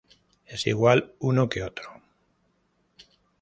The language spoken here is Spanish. Es igual uno que otro.